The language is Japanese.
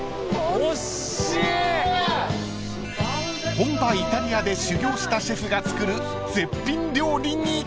［本場イタリアで修業したシェフが作る絶品料理に］